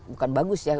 bukan bagus ya